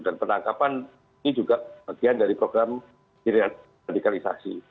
dan penangkapan ini juga bagian dari program kriminalisasi